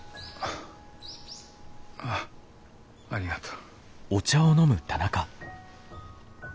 ああありがとう。